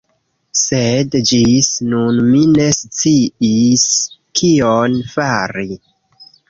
Sed ĝis nun mi ne sciis kion fari